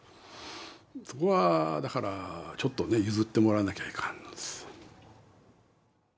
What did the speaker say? そこはだからちょっとね譲ってもらわなきゃいかんのです。